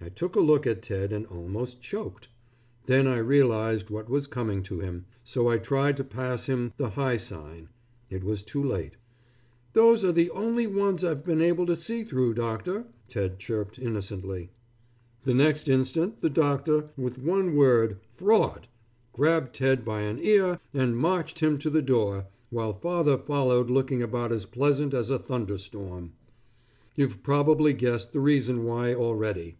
I took a look at Ted and almost choked. Then I realized what was coming to him, so I tried to pass him the high sign. It was too late. "Those are the only ones I've been able to see through, doctor," Ted chirped innocently. The next instant, the doctor with one word "Fraud!" grabbed Ted by an ear and marched him to the door, while father followed looking about as pleasant as a thunder storm. You've probably guessed the reason why already.